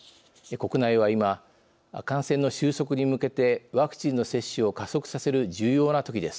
国内は今感染の収束に向けてワクチン接種を加速させる重要なときです。